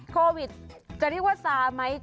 โควิดจะเรียกว่าซาไหม